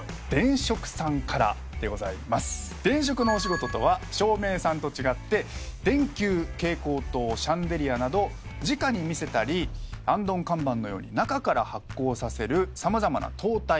電飾のお仕事とは照明さんと違って電球蛍光灯シャンデリアなどじかに見せたりあんどん看板のように中から発光させる様々な灯体。